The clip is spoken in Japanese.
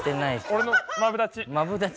俺のマブダチ。